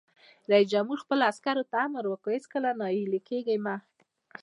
رئیس جمهور خپلو عسکرو ته امر وکړ؛ هیڅکله ناهیلي کیږئ مه!